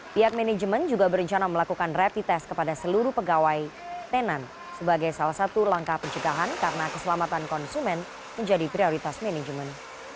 pihak manajemen juga berencana melakukan rapid test kepada seluruh pegawai tenan sebagai salah satu langkah pencegahan karena keselamatan konsumen menjadi prioritas manajemen